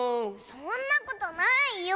そんなことないよ！